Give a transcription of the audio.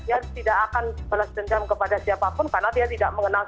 dia tidak akan balas dendam kepada siapapun karena dia tidak mengenal